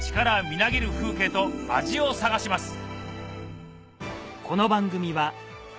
みなぎる風景と味を探します！